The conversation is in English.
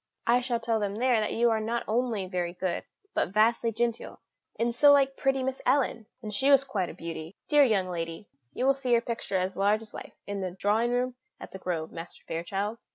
I shall tell them there that you are not only very good, but vastly genteel, and so like pretty Miss Ellen and she was quite a beauty dear young lady! You will see her picture as large as life in the drawing room at The Grove, Master Fairchild."